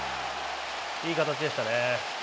いい形でしたね。